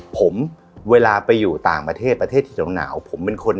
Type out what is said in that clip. ผมเวลาไปอยู่ต่างประเทศประเทศที่หนาวผมเป็นคน